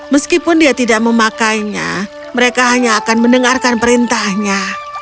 mereka tidak memakainya mereka hanya akan mendengarkan perintahnya